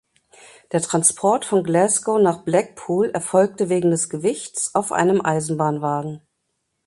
Der Transport von Glasgow nach Blackpool erfolgte wegen des Gewichts auf einem Eisenbahnwagen.